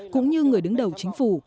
cũng như người đứng đầu chính phủ